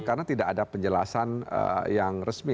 karena tidak ada penjelasan yang resmi